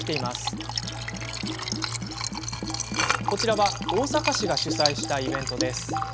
こちらは大阪市が主催したイベント。